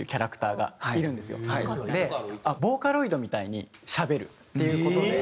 ボーカロイドみたいにしゃべるっていう事で。